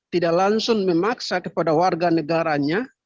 tidak langsung memaksa kepada warga negaranya